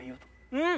うん！